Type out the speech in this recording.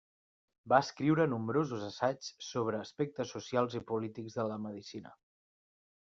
Va escriure nombrosos assaigs sobre aspectes socials i polítics de la medicina.